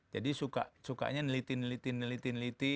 jadi sukanya neliti neliti